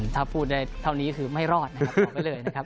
ถ้าพูดได้เท่านี้คือไม่รอดนะครับ